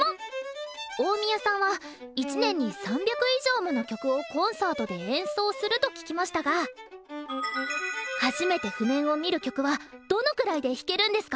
大宮さんは一年に３００以上もの曲をコンサートで演奏すると聞きましたが初めて譜面を見る曲はどのくらいで弾けるんですか？